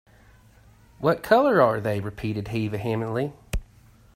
“What colour are they?” repeated he vehemently.